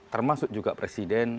termasuk juga presiden